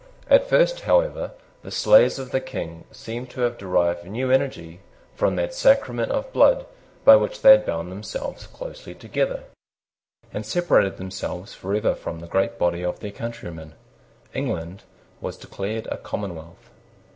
At first, however, the slayers of the King seemed to have derived new energy from that sacrament of blood by which they had bound themselves closely together, and separated themselves for ever from the great body of their countrymen. England was declared a commonwealth.